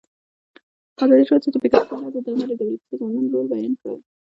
ازادي راډیو د بیکاري په اړه د غیر دولتي سازمانونو رول بیان کړی.